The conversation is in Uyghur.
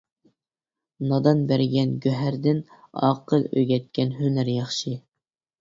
نادان بەرگەن گۆھەردىن، ئاقىل ئۆگەتكەن ھۈنەر ياخشى.